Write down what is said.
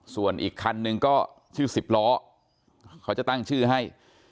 ส่วนอีกคันนึงก็ชื่อ๑๐ล้อเขาจะตั้งชื่อให้